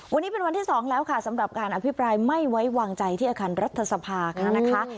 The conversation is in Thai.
วันนี้เป็นวันที่๒แล้วค่ะสำหรับการอภิปรายไม่ไว้วางใจที่อาคารรัฐสภาค่ะนะคะ